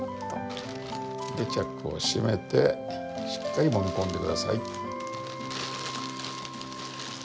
でチャックを閉めてしっかりもみ込んで下さい。